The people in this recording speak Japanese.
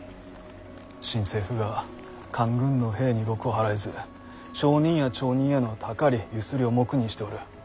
新政府が官軍の兵に禄を払えず商人や町人へのたかりゆすりを黙認しておる。